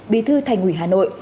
bí thư thành ủy hà nội